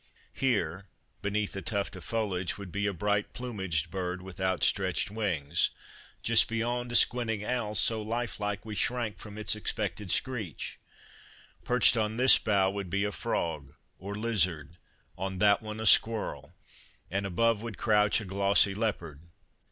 Here beneath a tuft of foliage would be a bright plumaged bird with outstretched wings, just beyond a squinting owl so life like we 6 7 Christmas Under Three Hags shrank from its expected screech ; perched on this bough would be a frog or lizard ; on that one a squirrel, and above would crouch a glossy leopard.